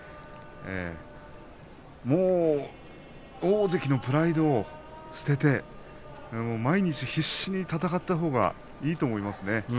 もう大関のプライドを捨てて毎日必死に戦ったほうがいいと思いますね。